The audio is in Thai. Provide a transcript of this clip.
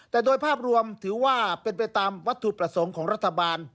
แต่โดยภาพรวมถือว่าเป็นไปตามวัตถุประสงค์ของรัฐบาล